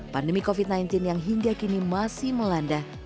pandemi covid sembilan belas yang hingga kini masih melanda